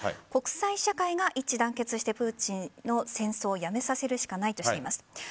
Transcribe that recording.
国際社会が一致団結してプーチンの戦争をやめさせるしかないとしています。